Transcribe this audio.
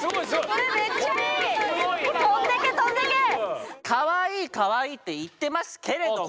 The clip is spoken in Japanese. これはすごい。「かわいいかわいい」って言ってますけれども！